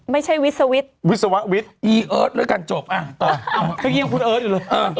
ไม่ใช่วิทยาวิทย์วิทย์แล้วกันจบต่อเออเขาเอาตรงงี้อยู่ครับ